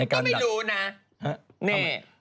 ก็ไม่รู้นะ